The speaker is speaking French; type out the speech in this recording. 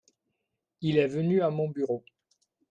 Il est venu à mon bureau.